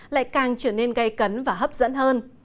lại càng trở nên gây cấn và hấp dẫn hơn